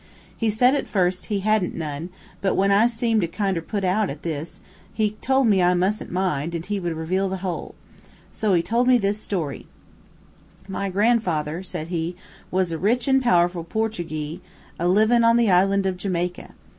He said, at first, it hadn't none, but when I seemed a kinder put out at this, he told me I mustn't mind, an' he would reveal the whole. So he told me this story: "'My grandfather,' said he, 'was a rich and powerful Portugee, a livin' on the island of Jamaica.